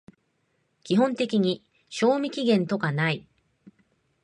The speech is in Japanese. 基本的に賞味期限とかない